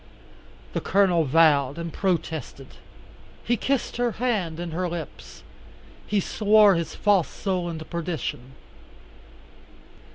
The Colonel vowed and protested. He kissed her hand and her lips. He swore his false soul into perdition.